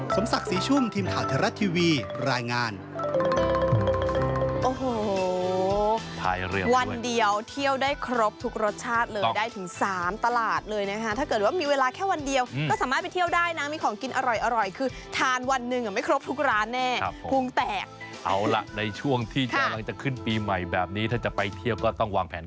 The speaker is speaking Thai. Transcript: สมศักดิ์สีชุ่มทีมข่าวเทอร์รัสทีวีรายงาน